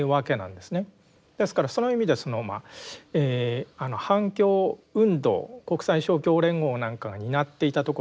ですからその意味では反共運動国際勝共連合なんかが担っていたとこはですね